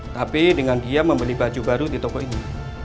tapi dengan dia membeli baju baru di toko ini